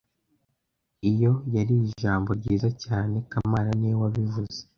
Iyo yari ijambo ryiza cyane kamana niwe wabivuze